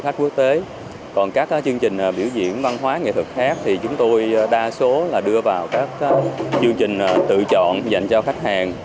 còn các chương trình biểu diễn văn hóa nghệ thuật khác thì chúng tôi đa số là đưa vào các chương trình tự chọn dành cho khách hàng